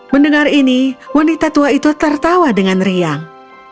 mendengar ini wanita tua itu tertawa dengan riang